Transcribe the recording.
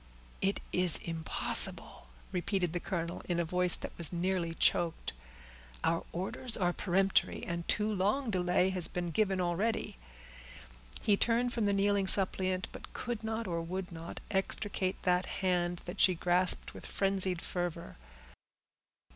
"It is impossible," repeated the colonel, in a voice that was nearly choked. "Our orders are peremptory, and too long delay has been given already." He turned from the kneeling suppliant, but could not, or would not, extricate that hand that she grasped with frenzied fervor.